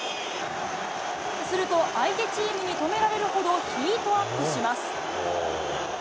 すると相手チームに止められるほどヒートアップします。